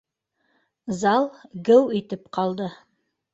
Зал геү итеп ҡалды